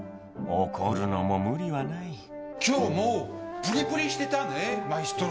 怒るのも無理はない今日もプリプリしてたねマエストロ。